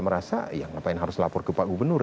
merasa ya ngapain harus lapor ke pak gubernur